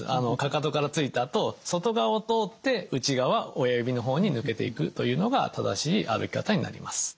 かかとから着いたあと外側を通って内側親指の方に抜けていくというのが正しい歩き方になります。